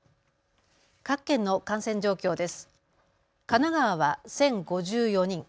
各県の感染状況です。